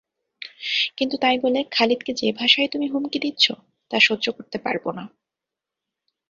কিন্তু তাই বলে খালিদকে যে ভাষায় তুমি হুমকি দিচ্ছ তা সহ্য করতে পারবোনা।